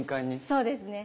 そうですね。